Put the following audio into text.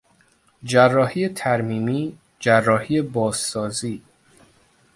جراحی ترمیمی، جراحی بازسازی